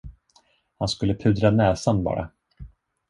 Han skulle pudra näsan, bara.